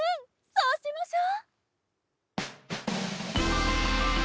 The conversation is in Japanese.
そうしましょう。